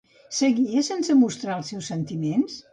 Seguia sense mostrar els seus sentiments?